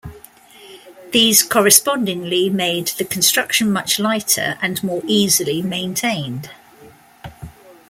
These correspondingly made the construction much lighter and more easily maintained.